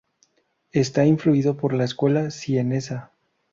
Está influido por la escuela sienesa.